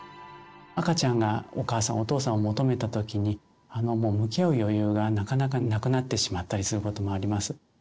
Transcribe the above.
赤ちゃんがお母さんお父さんを求めた時に向き合う余裕がなかなかなくなってしまったりすることもあります。